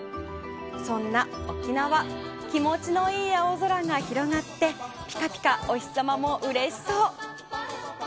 そんな沖縄気持ちのいい青空が広がってピカピカお日様もうれしそう。